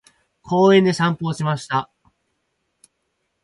公園で散歩をしました。